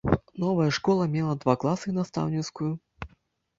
Новая школа мела два класы і настаўніцкую.